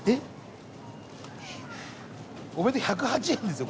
お弁当１０８円ですよ